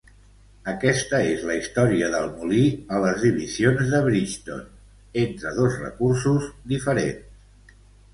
Aquesta és la història del molí a les divisions de Bridgeton entre dos recursos diferents.